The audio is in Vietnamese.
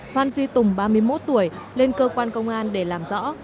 phan duy tùng ba mươi một tuổi lên cơ quan công an để làm rõ